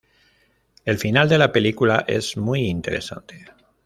El final de la película es muy interesante.